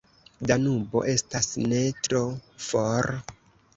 Danubo estas ne tro for.